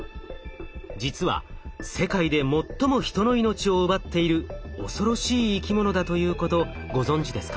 実は世界で最も人の命を奪っている恐ろしい生き物だということご存じですか？